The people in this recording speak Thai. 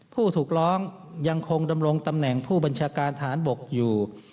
ผู้ถูกร้องยังคงดำรงตำแหน่งผู้บัญชาการฐานบกอยู่